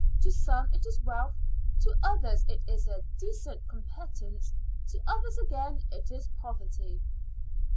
To some it is wealth; to others it is a decent competence; to others, again, it is poverty."